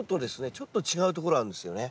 ちょっと違うところあるんですよね。